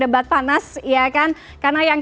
debat panas ya kan karena yang